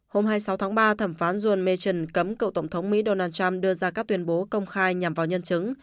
hôm hai mươi sáu tháng ba thẩm phán john mechon cấm cựu tổng thống mỹ donald trump đưa ra các tuyên bố công khai nhằm vào nhân chứng